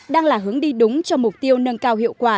đang là hướng đi đúng cho mục tiêu nâng cao hiệu quả